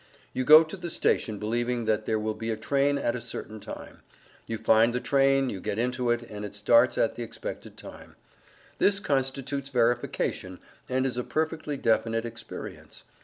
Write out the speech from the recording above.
You go to the station believing that there will be a train at a certain time; you find the train, you get into it, and it starts at the expected time This constitutes verification, and is a perfectly definite experience.